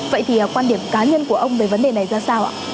vậy thì quan điểm cá nhân của ông về vấn đề này ra sao ạ